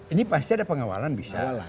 ini pasti ada pengawalan bisa